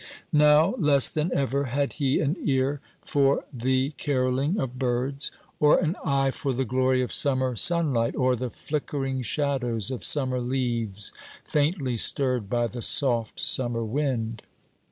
Now, less than ever, had he an ear for the carolling of birds, or an eye for the glory of summer sunlight, or the flickering shadows of summer leaves faintly stirred by the soft summer wind.